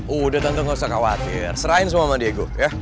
udah tante gak usah khawatir serahin semua sama diego